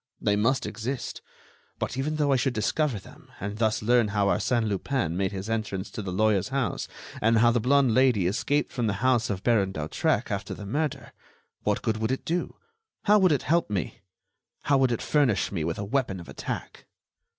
"They must exist. But even though I should discover them, and thus learn how Arsène Lupin made his entrance to the lawyer's house and how the blonde Lady escaped from the house of Baron d'Hautrec after the murder, what good would it do? How would it help me? Would it furnish me with a weapon of attack?"